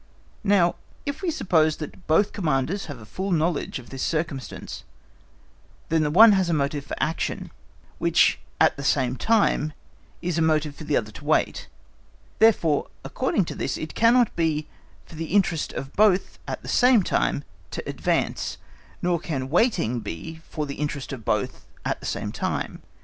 Now if we suppose that both commanders have a full knowledge of this circumstance, then the one has a motive for action, which at the same time is a motive for the other to wait; therefore, according to this it cannot be for the interest of both at the same time to advance, nor can waiting be for the interest of both at the same time.